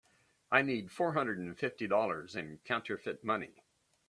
I need four hundred and fifty dollars in counterfeit money.